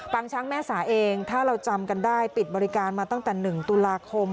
ช้างแม่สาเองถ้าเราจำกันได้ปิดบริการมาตั้งแต่๑ตุลาคม